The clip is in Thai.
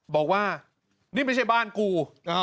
บอกว่านี่ไม่ใช่บ้านกู